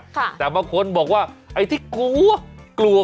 ค่ะแต่บางคนบอกว่าไอ้ที่กลัว